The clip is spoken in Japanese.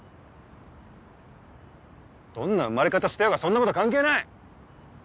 どんな生まれ方してようがそんなことは関係ない！